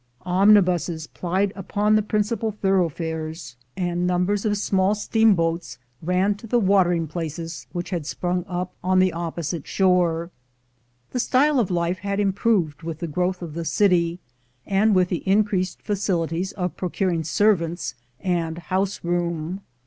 Omnibuses plied upon the principal thoroughfares, and numbers of 356 THE GOLD HUNTERS small steamboats ran to the watering places which had sprung up on the opposite shore. The style of life had improved with the growth of the city, and with the increased facilities of procur ing servants and house room.